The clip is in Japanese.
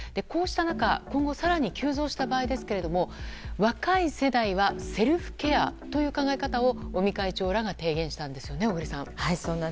こうした中、今後更に急増した場合ですけども若い世代はセルフケアという考え方を尾身会長らが提言したんですよね小栗さん。